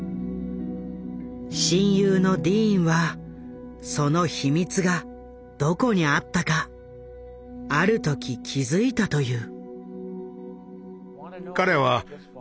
親友のディーンはその秘密がどこにあったかある時気付いたという。